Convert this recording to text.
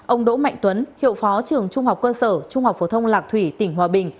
ông đỗ mạnh tuấn hiệu phó trường trung học cơ sở trung học phổ thông lạc thủy tỉnh hòa bình